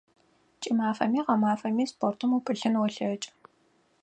КӀымафэми гъэмафэми спортым упылъын олъэкӀы.